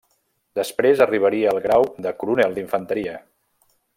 Després arribaria el grau de coronel d'infanteria.